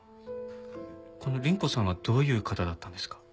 この倫子さんはどういう方だったんですか？